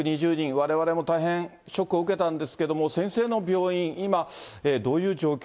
われわれも大変ショックを受けたんですけど、先生の病